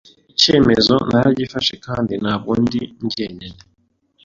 Ikemezo naragifashe kandi ntabwo ndi njyenyine